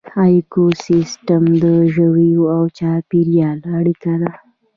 ایکوسیسټم د ژویو او چاپیریال اړیکه ده